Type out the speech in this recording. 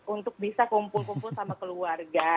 untuk bisa kumpul kumpul sama keluarga